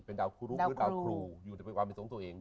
เป็นดาวครูคือดาวครูอยู่ในวันเป็นตรงตัวเอง